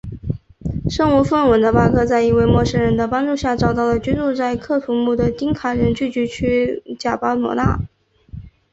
身无分文的巴克在一位陌生人的帮助下找到了居住在喀土穆的丁卡人聚居区贾巴罗纳。